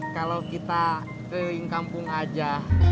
kalo kita keliling kampung aja